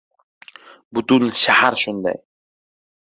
Butun shahar shunday.